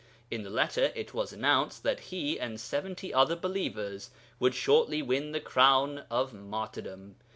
In the letter, it was announced that he and seventy other believers would shortly win the crown of martyrdom.